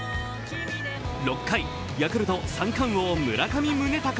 ６回、ヤクルト三冠王村上宗隆。